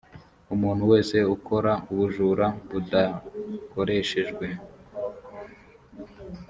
umuntu wese ukora ubujura budakoreshejwe